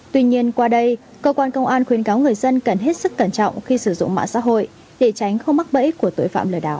tuy nhiên qua đây cơ quan công an khuyên cáo người dân cần hết sức cẩn trọng khi sử dụng mạng xã hội để tránh không mắc bẫy của tội phạm lừa đảo